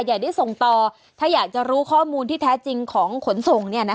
อยากได้ส่งต่อถ้าอยากจะรู้ข้อมูลที่แท้จริงของขนส่ง